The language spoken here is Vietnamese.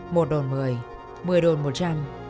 một đồn mười mười đồn một trăm